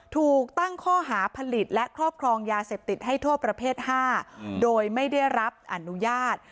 ถูกตั้งข้อหาผลิตและครอบครองยาเสพติดให้โทษประเภท๕โดยไม่ได้รับอนุญาต